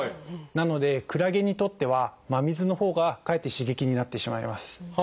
なのでクラゲにとっては真水のほうがかえって刺激になってしまいます。